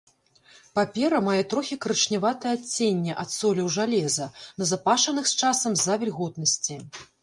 Папера мае трохі карычняватае адценне ад соляў жалеза, назапашаных з часам з-за вільготнасці.